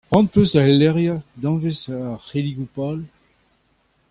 Cʼhoant hocʼh eus da erlecʼhiañ danvez ar cʼhelligoù pal?